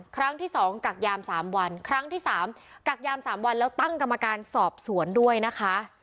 ครั้งที่๒กักยาม๓วันครั้งที่๓กักยาม๓วันแล้วตั้งกรรมการสอบสวนด้วยนะคะ